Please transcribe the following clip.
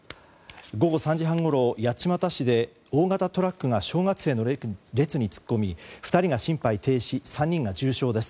午後３時半ごろ八街市で大型トラックが小学生の列に突っ込み、２人が心肺停止３人が重傷です。